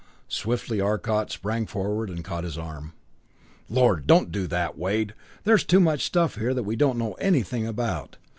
Swiftly Arcot sprang forward and caught his arm. "Lord don't do that, Wade there's too much stuff here that we don't know anything about.